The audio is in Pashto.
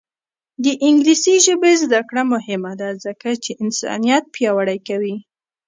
د انګلیسي ژبې زده کړه مهمه ده ځکه چې انسانیت پیاوړی کوي.